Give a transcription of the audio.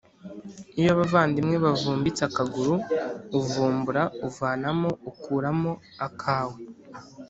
Iyo abavandimwe bavumbitse akaguru, uvumbura (uvanamo/ukuramo) akawe.